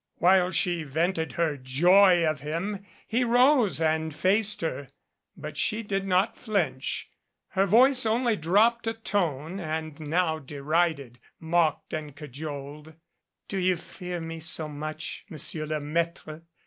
While she vented her joy of him he rose and faced her, but she did not flinch. Her voice only dropped a tone, and now derided, mocked and cajoled. "Do you fear me so much, Monsieur le Maitre?"